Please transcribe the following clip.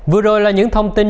vừa rồi là những thông tin